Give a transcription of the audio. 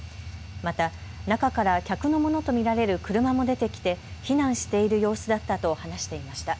また中から客のものと見られる車も出てきて避難している様子だったと話していました。